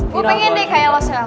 gue pengen deh kayak lo sel